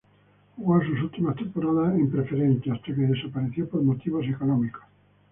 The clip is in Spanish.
Jugó sus últimas temporadas en Preferente hasta que desapareció por motivos económicos.